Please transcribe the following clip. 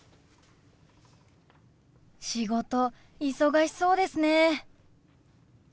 仕事忙しそうですね。